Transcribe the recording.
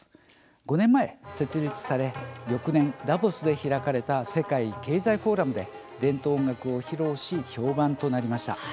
５年前、設立され翌年ダボスで開かれた世界経済フォーラムで伝統音楽を披露し評判となりました。